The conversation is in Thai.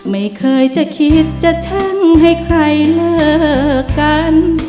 ไม่เคยจะคิดจะชั่งให้ใครเลิกกัน